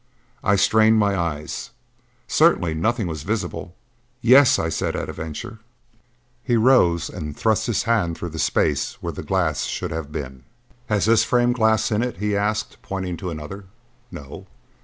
I strained my eyes. Certainly nothing was visible. "Yes," I said at a venture. He rose and thrust his hand through the space where the glass should have been. "Has this frame glass in it?" he asked, pointing to another. "No."